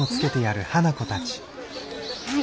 はい。